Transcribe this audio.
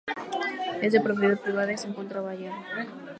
Es de propiedad privada y se encuentra vallado.